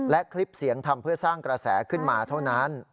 และคลิปเสียงทำเพื่อสร้างกระแสขึ้นมาเท่านั้น